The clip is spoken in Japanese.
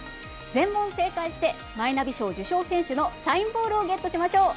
全問正解してマイナビ賞受賞選手のサインボールをゲットしましょう。